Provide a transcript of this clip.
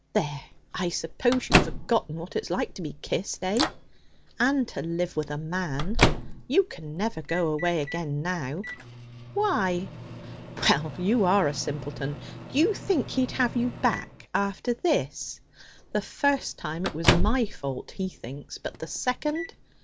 'There! I suppose you've forgotten what it's like to be kissed, eh? And to live with a man? You can never go away again now.' 'Why?' 'Well, you are a simpleton! D'you think he'd have you back after this? The first time it was my fault, he thinks; but the second!